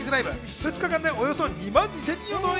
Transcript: ２日間でおよそ２万２０００人を動員。